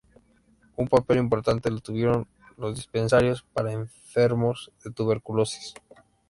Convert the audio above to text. Un papel importante lo tuvieron los dispensarios para enfermos de tuberculosis.